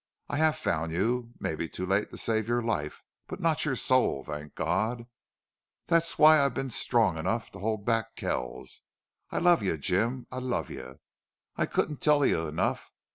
I have found you, maybe too late to save your life, but not your soul, thank God!... That's why I've been strong enough to hold back Kells. I love you, Jim!... I love you! I couldn't tell you enough.